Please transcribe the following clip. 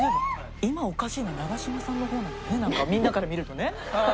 今おかしいのは長嶋さんの方なのよねなんかみんなから見るとね。